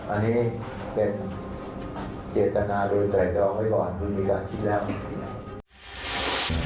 อันนี้เป็นเจตนาโดยไตรตรองไว้ก่อนคุณมีการคิดแล้ว